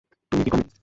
তুমি কি কমিউনিস্ট?